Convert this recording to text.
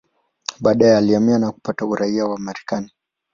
Baadaye alihamia na kupata uraia wa Marekani.